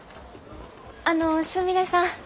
あのすみれさん。